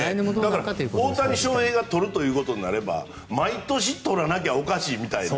大谷翔平が取るということになれば毎年取らなきゃおかしいみたいな。